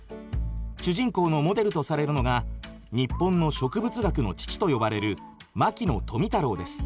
主人公のモデルとされるのが日本の植物学の父と呼ばれる牧野富太郎です。